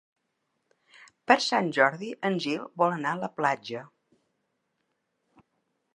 Per Sant Jordi en Gil vol anar a la platja.